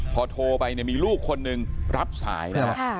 พอโทรไปเนี่ยมีลูกคนนึงรับสายนะครับ